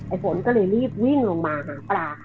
ฝนก็เลยรีบวิ่งลงมาหาปลาค่ะ